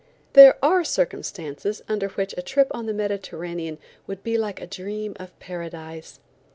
There are circumstances under which a trip on the Mediterranean would be like a dream of Paradise.